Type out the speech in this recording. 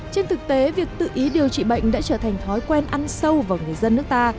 trên thực tế việc tự ý điều trị bệnh đã trở thành thói quen ăn sâu vào người dân nước ta